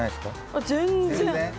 あっ全然！